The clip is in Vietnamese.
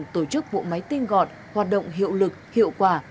tổ chức vụ máy tin gọn hoạt động hiệu lực hiệu quả